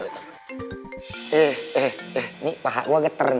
eh eh eh nih paha gua geter nih